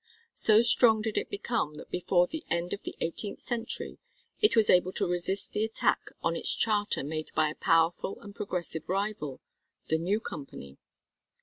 So strong did it become that before the end of the eighteenth century it was able to resist the attack on its charter made by a powerful and progressive rival, the "New Company."